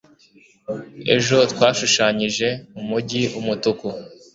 ejo twashushanyije umujyi umutuku